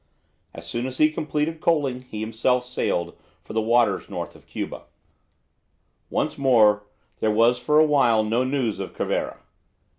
As soon as he had completed coaling he himself sailed for the waters north of Cuba. Once more there was for a while no news of Cervera.